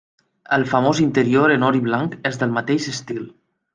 El famós interior en or i blanc és del mateix estil.